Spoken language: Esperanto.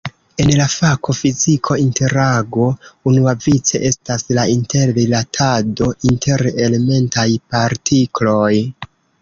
En la fako fiziko "interago" unuavice estas la inter-rilatado inter elementaj partikloj.